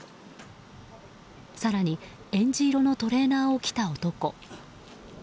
更にえんじ色のトレーナーを着た男。